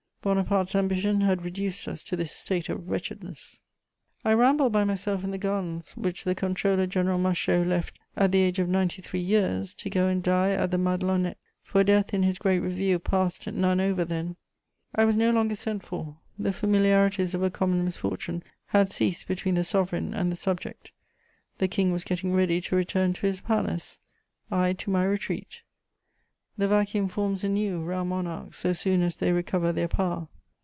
Bonaparte's ambition had reduced us to this state of wretchedness. I rambled by myself in the gardens which the Comptroller general Machault left, at the age of ninety three years, to go and die at the Madelonnettes; for Death, in his great review, passed none over then. I was no longer sent for; the familiarities of a common misfortune had ceased between the Sovereign and the subject: the King was getting ready to return to his palace, I to my retreat. The vacuum forms anew round monarchs so soon as they recover their power.